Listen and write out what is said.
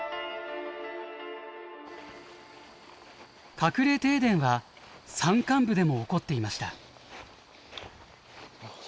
隠れ停電は山間部でも起こっていました。